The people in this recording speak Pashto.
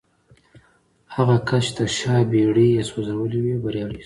هغه کس چې تر شا بېړۍ يې سوځولې وې بريالی شو.